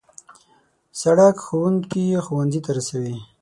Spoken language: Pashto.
سړک ښوونکي ښوونځي ته رسوي.